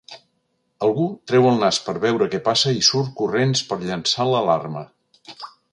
Algú treu el nas per veure què passa i surt corrents per llançar l'alarma.